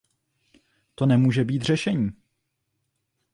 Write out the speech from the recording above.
To nemůže být řešení.